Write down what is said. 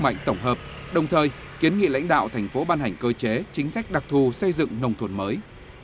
mạnh tổng hợp đồng thời kiến nghị lãnh đạo thành phố ban hành cơ chế chính sách đặc thù xây dựng nông thôn mới